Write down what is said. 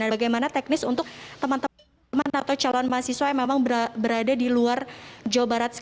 bagaimana teknis untuk teman teman atau calon mahasiswa yang memang berada di luar jawa barat